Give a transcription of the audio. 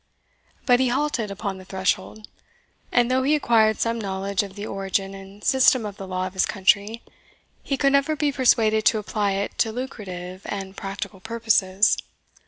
But he halted upon the threshold, and, though he acquired some knowledge of the origin and system of the law of his country, he could never be persuaded to apply it to lucrative and practical purposes.